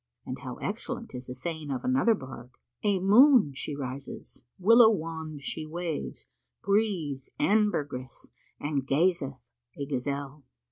And how excellent is the saying of another bard,[FN#476] "A Moon she rises, Willow wand she waves * Breathes ambergris and gazeth a gazelle.